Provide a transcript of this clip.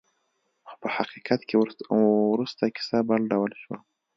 خو په حقیقت کې وروسته کیسه بل ډول شوه.